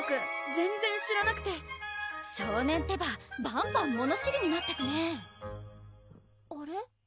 全然知らなくて少年ってばバンバン物知りになってくねあれ？